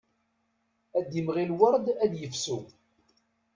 Ad d-imɣi lweṛd ad yefsu.